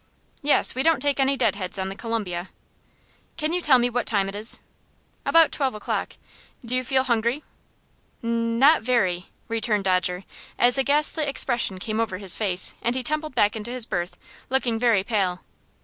"Yes; we don't take any deadheads on the Columbia." "Can you tell me what time it is?" "About twelve o'clock. Do you feel hungry?" "N not very," returned Dodger, as a ghastly expression came over his face, and he tumbled back into his berth, looking very pale.